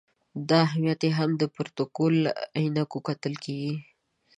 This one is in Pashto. دا اهمیت یې هم د پروتوکول له عینکو کتل کېږي.